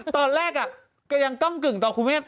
ตอนแรกก็ยังก้ำกึ่งต่อคุณแม่